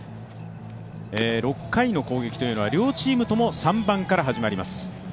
６回の攻撃というのは両チームとも３番から始まります。